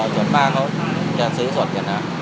ส่วนป้าเค้าจะซื้อสดซะ